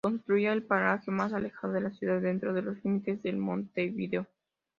Constituía el paraje más alejado de la ciudad dentro de los límites de Montevideo.